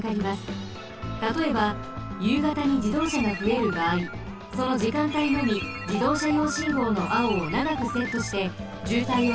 たとえばゆうがたにじどうしゃがふえるばあいそのじかんたいのみじどうしゃよう信号のあおをながくセットしてじゅうたいをさけることができます。